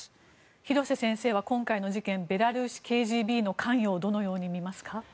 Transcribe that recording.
廣瀬先生は今回の事件ベラルーシＫＧＢの関与をどのように見ますか？